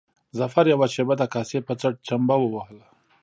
ظفر يوه شېبه د کاسې په څټ چمبه ووهله.